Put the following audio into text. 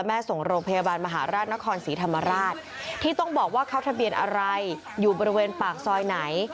อะไรอยู่บริเวณปากซอยไหน